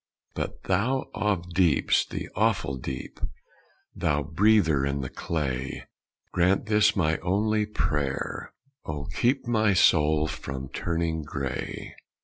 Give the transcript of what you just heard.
But Thou of deeps the awful Deep, Thou Breather in the clay, Grant this my only prayer Oh keep My soul from turning gray!